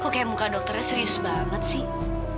kok kayak muka dokternya serius banget sih